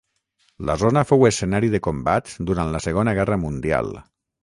La zona fou escenari de combats durant la Segona Guerra Mundial.